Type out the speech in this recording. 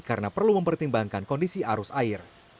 karena perlu mempertimbangkan kondisi arus air